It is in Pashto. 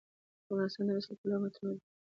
افغانستان د مس له پلوه متنوع دی.